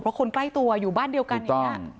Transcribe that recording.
เพราะคนใกล้ตัวอยู่บ้านเดียวกัน